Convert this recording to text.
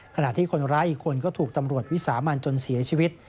ขณะที่คนร้ายอีกคนก็ถูกตำรวจวิสามันจนเสียชีวิต